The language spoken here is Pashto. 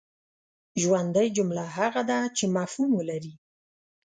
ژوندۍ جمله هغه ده چي مفهوم ولري.